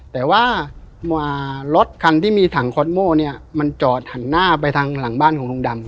แต่ว่ารถคันที่มีถังคอสโม่เนี่ยมันจอดหันหน้าไปทางหลังบ้านของลุงดำ